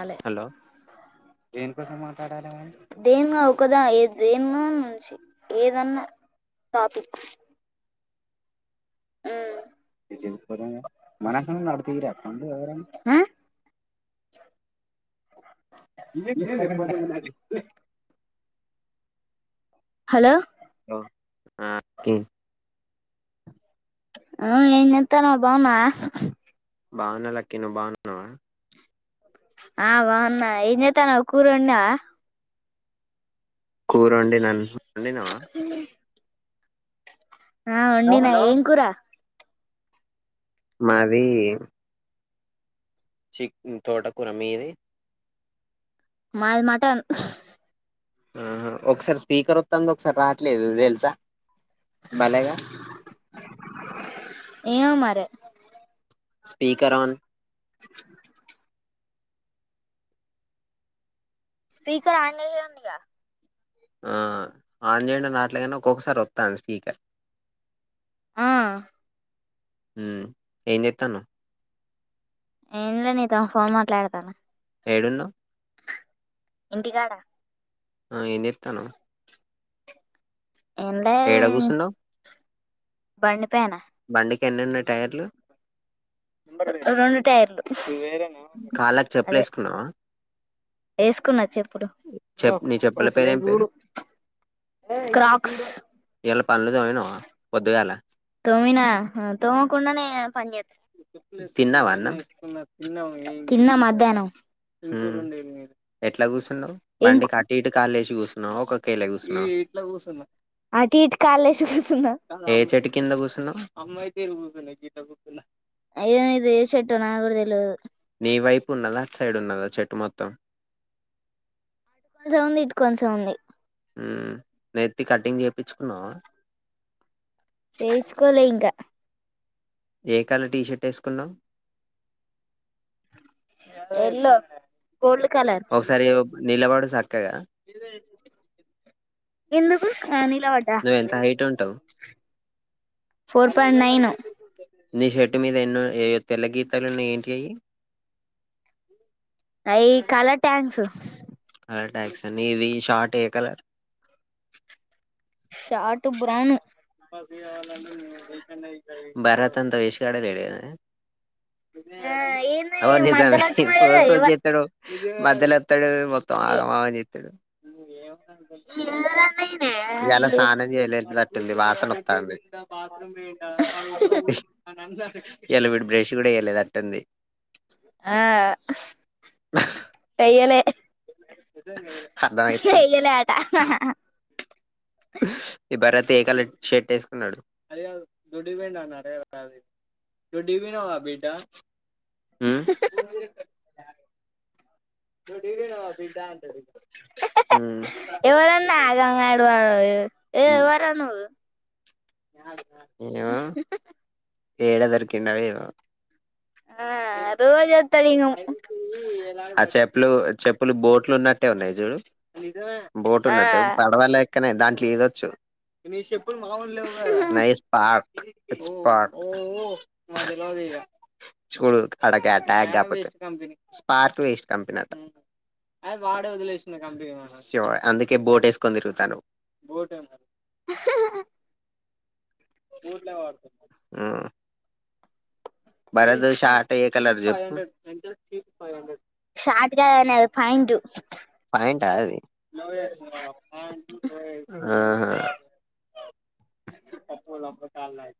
ఆల్లె hello దేన్ ఏం మాట్లాడాలి దేనిగా ఒకదా దేనైన్నుంచి ఏదన్న టాపిక్స్. ఊ నే చెప్పనూ మనుషుల నడకతీరే [unintelligible] ఊ నేను హలో ఎప్పుడైనా హలో. హలో. ఆ కిం ఆ ఏం చేతన్నావ్ బావున్నావా. బావున్నా లక్కీ నువ్వు బాగున్నావా ఆ బావున్నా. ఏం చేతాన్నవ్, కూర వండినవా. కూరొండినా ను [inaudible] వొండినవా. ఆ వొండినా ఏం కూరా. మాదీ చిక్ తోటకూర మీదీ. మాది మటన్. ఆహా ఒక్సారి స్పీకర్ వత్తాంది ఒక్సారి రాట్లేదు తెలుసా. భలేగా ఏమో మరి. Speaker on. స్పీకర్ ఆన్ చేసే వుందిగా. ఆ ఆన్ చేయండన్నా అట్ల ఏదన్నా ఒక్కొక్కసారి ఒత్తాంది స్పీకర్. ఆ ఉమ్. ఏం చేతాన్నవ్. ఏం లే నీతో ఫోన్ మాట్లాడతాన. ఏడున్నవ్. ఇంటికాడా. ఆ ఏం చేతాన్నవ్. ఏడ ఏంలేద్ కూసున్నావ్ ఊ బండి పైన. బండికి ఎన్ని ఉన్నాయ్ టైర్లు. రెండు టయర్లు. కాళ్ళకి చెప్పులేసుకున్నావా. ఏసుకున్న చెప్పులు. చెప్ నీ చెప్పుల పేరు ఏం పేరు క్రాక్స్. ఇయాల పనులు తోమినవా పొద్దుగాల తోమినా హ తోమకుండనే పని చేత్ తిన్నావా అన్నం. తిన్నాం ఏ తిన్నా మధ్యాహ్నం ఏ ఉమ్. ఎట్ల కూస్ సున్నవ్. ఏం కు- బండికి అటు ఇటు కాలేశి ట్టి కూసున్నావా, ఒక్క కెళ్ళే కూసున్నావా. అటు ఇటు కాలేశి కూసున్న. ఏ చెట్టు కింద కూసున్నవ్. అయ్యో ఇది ఏ చెట్టో నా కూడా తెల్వదు. నీ వైపు ఉన్నదా అట్ సైడ్ ఉన్నదా చెట్టు మొత్తం. అటు కొంచెం ఉంది. ఇటు కొంచెం ఉంది. నెత్తి కటింగ్ చెప్పిచ్చుకున్నవా. చేయిచ్చుకోలే ఇంకా. ఏ కలర్ టీషర్ట్ ఏసుకున్నావ్. ఎల్లో. గోల్డ్ కలర్ నిలవాడు చక్కగా ఎందుకు నిలబడ్డ నిషే ఇంటి మీద ఎన్నో ఏ తెల్ల గీతాలున్నా ఏంటివి అయి అయి కాల ట్యాంక్స్ కలర్ టాక్సీ అండి ఇది షార్ట్ ఏ కలర్ షార్ట్ బ్రౌన్ భరత్ అంతా వేస్ట్ గాడే లేడు కదా ఏంది అవను నిజమే మధ్యలో వచ్చి మరి సో సో ఎవ- జెత్తాడు మధ్యలో ఎత్తాడు మొత్తం ఆగం ఆగం చెత్తాడు హు ఎమ్ ఎలరా నయన ఇయ్యాల స్నానం చేయలేట్టుంది వాసన వస్తంది. ఇయ్యాల విడు బ్రష్ కూడా వెేలేదట్టుంది. ఆ చేయలే చేయలేదంట హు భరత్ ఏ కలర్ షర్ట్ వేసుకున్నాడు అదే దుడ్డివం అన్నారే దొడ్డిపోయినవ బేటా హు దొడ్డి పోయినవా బేటా అంటాడు హు ఏయ్ ఎవర్రా నువ్వు [unintelligible] ఏమో ఏడ దొరికిండవో ఏమో ఆ రోజు వస్తాడు ఇంక అ [unintelligible] ఆ చెప్పులు చెప్పులు బోట్లు ఉన్నట్టే ఉన్నాయి చూడు బోట్ ఉన్నట్టు ఆ. పడవల్ అక్కనే దాంట్లో ఇదొచ్చు ని చొప్పుల్ మామూలుగా లేవు గదా నైస్ స్పా ఇట్స్ పార్ట్ చూడు ఆడ గా ట్యాగ్ కాకపోతే. స్పార్క్ వేస్ట్ కంపెనీ అంట. అందుకే బోర్డు వేసుకొని తిరుగుతాండు. బూట్లే వాడుతా. ఆ భరతు షాటు ఏ కలర్ చెప్పు. షార్ట్ కాదనే పాయింట్ పాయింటాది. ఆహ. ఆన్లైన్.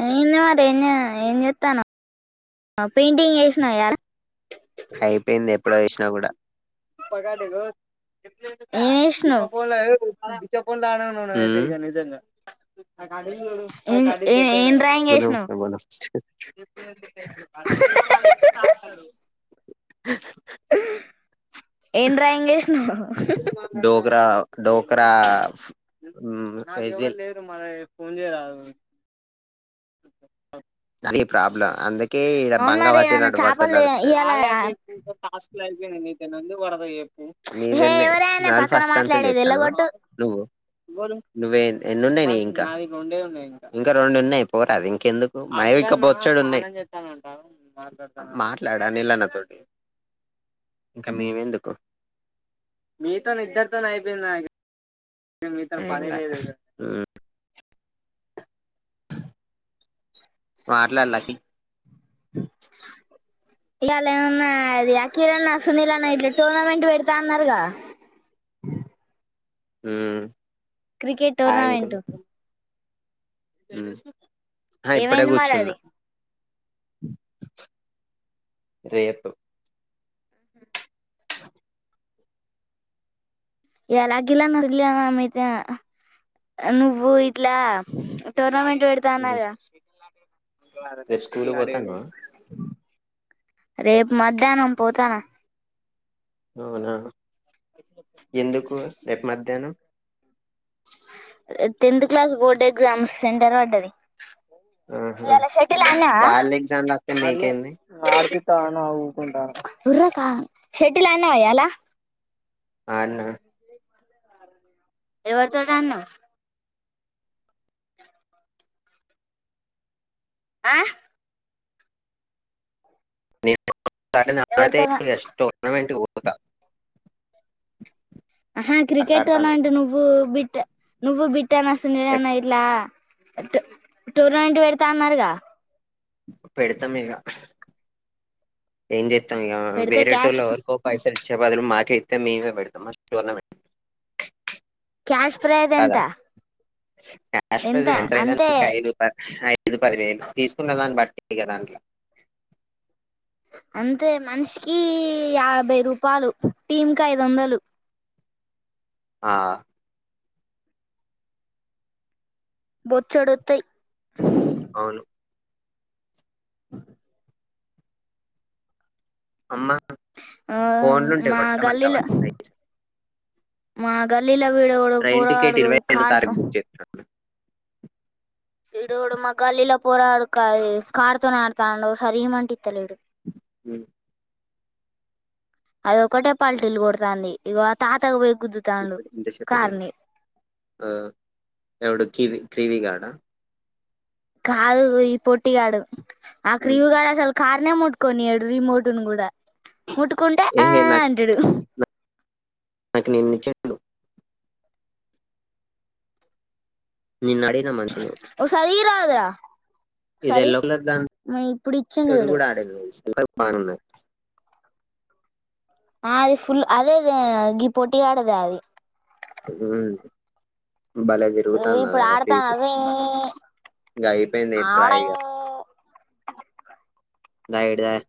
ఏంది మరి ఏం చేయాలె. ఆ ఏం చేత్తాన్వ ఆ పెయింటింగ్ ఎసినా కదా. అయిపోయింది ఎప్ ఎప్పుడ లేసినా కూడా ఏం వేసినావు జిపపోల. [unintelligible] ట ఏం- ఏం- ఏం డ్రాయింగ్ ఓ వేసినావు అన్ని చేత్తోవ్ ఏం చెప్పాలే అన్ని చేత్తోవ్ మళ్ళ ఏం చెప్పాలి అంటవ్ ఏం డ్రాయింగ్ ఏసినవ్. డోకరా. ఉమ్ వెజిల్ల్. అది ప్రాబ్ల. అందుకే ఈడ అవును బంగ మరి ఏమన్నా పట్టినట్టు చేపలు భత్మీలాడుతది. ఇవాళ ఇట్లా అయిపోయింది నీతోని ఎందుకు పడత చెప్పు. నీ హే దల్లే ఎవరైనా మళ్లీ పక్కన ఫస్ట్ కానుంచి మాట్లాడేది చేస్తానవ వెళ్ళగొట్టు నువ్వు. నువ్వేన్ ఎన్నున్నాయి మీయి ఇంకా. ఇంకా రెండు ఉన్నాయి ‌‌. పోరాదు ఇంకెందుకు. మాయే ఇంకా బొచ్చెడున్నాయి. మాట్లాడు అనిల్ అన్న తోటి ఇంక మేమెందుకు. మాట్లాడులకి. ఈయాల ఏమన్నా అది అఖిల్ అన్న సునీల్ అన్న గిట్లా టోర్నమెంట్ పెడతా అన్నారుగా. ఉమ్. Cricket tournament. ఉమ్. ఆ ఇప్పుడే ఏమైంది మరి కూర్చున్నా అది రేపు ఎలాగిలా నడగ్ల ఆ ఆమైతే నువ్వు ఇట్లా టోర్నమెంట్ పెడుతా అన్నావ్ కద భారత రేపు స్కూల్ షటిల్ ఆడేకి పోతానవా పో రేపు మధ్యానం పోతానా అవునా ఎందుకు రేపు మధ్యానం tenth class board exam centre పడ్డది ఆహా ఈయాల షటిల్ ఆడినావా? వాళ్ళ ఎగ్జామ్ రాస్తే మీకేంది ఉర్రే కా షటిల్ ఆడినావా ఇయాల? ఆ అవునా ఎవర్ తోట్ ఆడినావ్ ఆ నీ ఎవరితో [unintelligible] టోర్నమెంట్ కుట్ట అహా క్రికెట్ అను అంటె నువ్వు బిట్ ట్ నువ్వు బి త ఎప్- నసనీరేన ఇట్లా టు టూర్నమెంట్ పెడతా అన్నారుగా పెడతాం ఇగ ఏం చేత్ [unintelligible] పెడితే క్యాష్ వేరేటోళ్ళు ఎవరికో పైసలిచ్చే బదులు మాక్ పెడితే మేమే బెడతాం మ టోర్నమెంట్ క్యాష్ ప్రైజ్ ఎంత కదా క్యాష్ ప్రైస్ ఎంత ఎంతైనా గాని అంతే ఇప్పుడు ఐదు పది ఐ ఐదు పదివేలు తీసుకున్న దాన్ని బట్టి ఇక దాంట్లో కి యాభై రూపాయలు టీమ్కి ఐదొందలు. ఆ బొచ్చడొత్తాయ్. అవును అమ్మ ఆ ఫోన్లు ఉంటే మా గల్లీలో కొట్టమంటావండి మా గల్ ల్లీలో వీడెవడో ట్రైన్ టికెట్ పోరగాడు ఇరవై ఐదు కారుతో తారీఖు బుక్ చేస్తున్నాను ఈడు ఎవ్వడో మా గల్లీలో పోరాగాడు కాది కారు తోనీ ఆడతాండు ఒకసారి ఇయ్యమంటే ఇత్తలేడు ఉ అది ఒక్కటే పల్టీలు కొడతు తాంది ఇగో ఆ తాతకు పోయి గుద్దుతాండు ఇప్పుడు ఇంత చెప్పేది కార్ని ఆ ఎవడు కివి క్రివి గాడ కాదు ఈ పోట్టీ గాడు ఆ ఉమ్, క్రివు గాడు అసలు కార్ నన్నే ముట్టు కొనియాడు రిమోట్న్ కూడా ముట్టుకుంటే ఏ ఆ నాకు అంటాడు నాకు నేన్ని చెట్లు నిన్ను అడిగిన మనిషిని రాదు రా ఇది ఎల్లో కలర్ దాన్ ఇచ్చిండు తొడు చూడు కూడ ఆడన్ సులక్ పని ఉన్నద్ ఆ అది ఫుల్ అదే అద గీ పొట్టి గాడిదే అది ఉహు ఇప్పుడు ఆడుత జూయి ఇంగ అయిపోయింది ట్రై ఇగ. ఆవుడిగ్ ద ఇటు ద